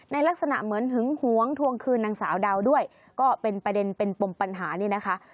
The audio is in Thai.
ลักษณะเหมือนหึงหวงทวงคืนนางสาวดาวด้วยก็เป็นประเด็นเป็นปมปัญหานี่นะคะ